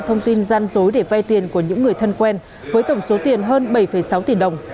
thông tin gian dối để vay tiền của những người thân quen với tổng số tiền hơn bảy sáu tỷ đồng